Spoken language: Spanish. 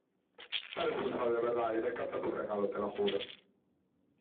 eres un sol, de verdad , y me encanta tu regalo , te lo juro